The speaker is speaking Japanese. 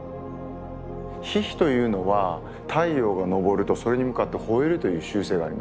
ヒヒというのは太陽が昇るとそれに向かってほえるという習性があります。